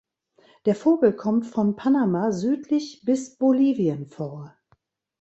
Der Vogel kommt von Panama südlich bis Bolivien vor.